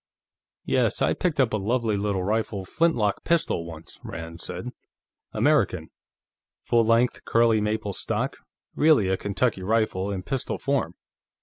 "Yes. I picked up a lovely little rifled flintlock pistol, once," Rand said. "American; full length curly maple stock; really a Kentucky rifle in pistol form.